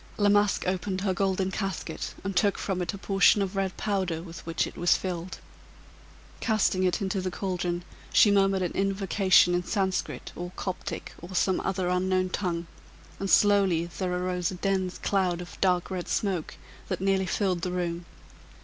La Masque opened her golden casket, and took from it a portion of red powder, with which it was filled. Casting it into the caldron, she murmured an invocation in Sanscrit, or Coptic, or some other unknown tongue, and slowly there arose a dense cloud of dark red smoke, that nearly filled the room.